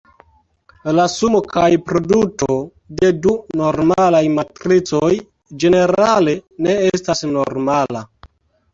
La sumo kaj produto de du normalaj matricoj ĝenerale ne estas normala.